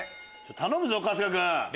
頼むぞ春日君。